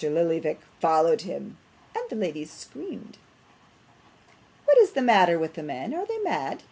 Lillyvick followed him, and the ladies screamed. 'What is the matter with the men! Are they mad?